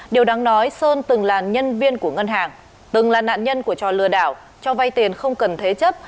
điều đáng nói sơn từng là nhân viên của ngân hàng từng là nạn nhân của trò lừa đảo cho vay tiền không cần thế chấp